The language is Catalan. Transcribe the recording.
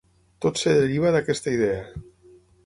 Tot es deriva d’aquesta idea.